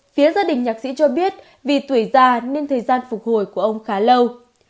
phía gia đình nhạc sĩ cho biết vì tuổi già nên thời gian phục hồi của ông khá lâu